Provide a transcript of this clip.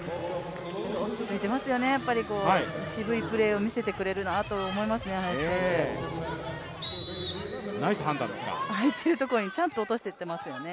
落ち着いてますよね、渋いプレーを見せてくれるなと思いますね。